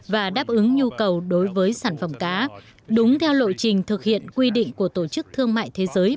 và đáp ứng nhu cầu đối với sản phẩm cá đúng theo lộ trình thực hiện quy định của tổ chức thương mại thế giới